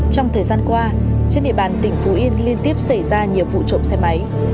trong thời gian qua trên địa bàn tỉnh phú yên liên tiếp xảy ra nhiều vụ trộm xe máy